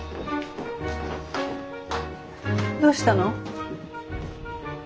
どうしたの？